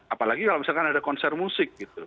apalagi kalau misalkan ada konser musik gitu